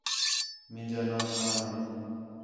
مینجا ناں خان ہے